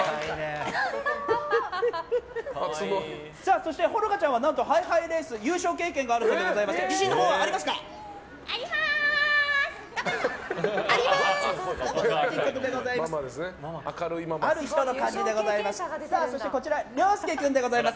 そして、ほのかちゃんは何とハイハイレース優勝経験があるということでございましてあります！